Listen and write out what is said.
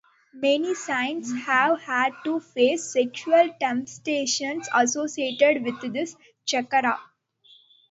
Many saints have had to face sexual temptations associated with this chakra.